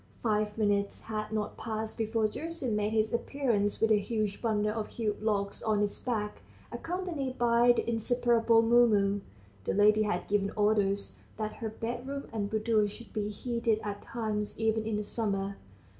Five minutes had not passed before Gerasim made his appearance with a huge bundle of hewn logs on his back, accompanied by the inseparable Mumu. (The lady had given orders that her bedroom and boudoir should be heated at times even in the summer.)